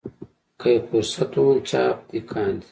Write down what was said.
که یې فرصت وموند چاپ دې کاندي.